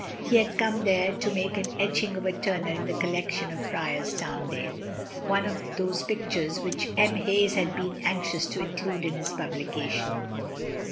He had come there to make an etching of a Turner in the collection at Friar's Tarndale, one of those pictures which M. Hase had been anxious to include in his publication.